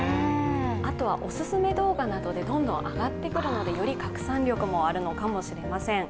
あとはオススメ動画などで、どんどん上がってくるのでより拡散力もあるのかもしれません。